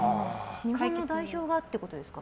日本の代表がってことですか？